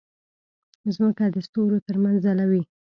مځکه د ستورو ترمنځ ځلوي.